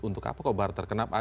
untuk apa kok barter kenapa